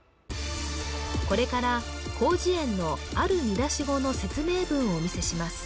これから広辞苑のある見出し語の説明文をお見せします